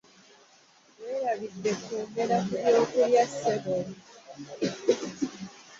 Weerabidde okwogera ku byokulya ssebo.